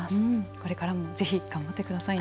これからもぜひ頑張ってくださいね。